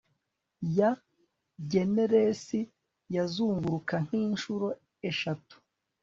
ya genezesi yazunguruka nkinshuro eshatu